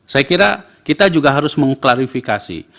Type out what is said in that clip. saya kira kita juga harus mengklarifikasi